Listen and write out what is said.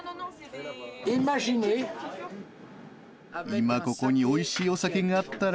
今ここにおいしいお酒があったら。